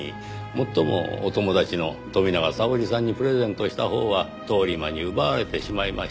もっともお友達の富永沙織さんにプレゼントしたほうは通り魔に奪われてしまいましたが。